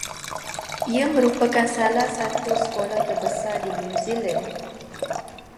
Ia merupakan salah satu sekolah terbesar di New Zealand